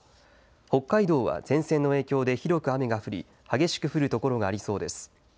北海道は前線の影響で広く雨が降り激しく降る所がありそうです。